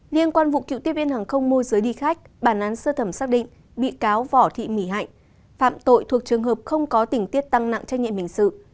liên quan vụ cựu tiếp viên hàng không mô giới đi khách bản án sơ thẩm xác định bị cáo vỏ thị mỉ hạnh phạm tội thuộc trường hợp không có tình tiết tăng nặng trách nhiệm hình sự